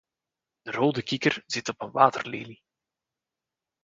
De rode kikker zit op een waterlelie.